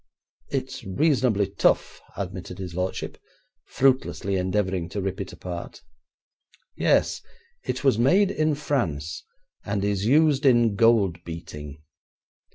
'It's reasonably tough,' admitted his lordship, fruitlessly endeavouring to rip it apart. 'Yes. It was made in France, and is used in gold beating.